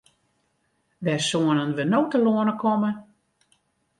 Wêr soenen we no telâne komme?